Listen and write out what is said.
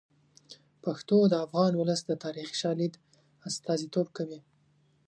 پښتو د افغان ولس د تاریخي شالید استازیتوب کوي.